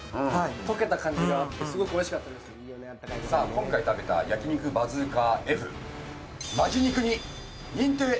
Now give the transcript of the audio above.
今回食べた焼き肉バズーカＦ